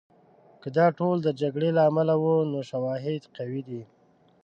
که دا ټول د جګړې له امله وو، نو شواهد قوي دي.